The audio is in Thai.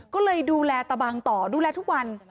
ก็เลยดูแลตะบังต่อดูแลทุกวัน